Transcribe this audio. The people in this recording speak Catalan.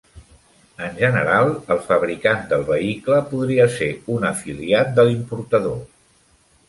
En general, el fabricant del vehicle podria ser un afiliat de l'importador.